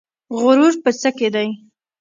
غرور په څه کې دی؟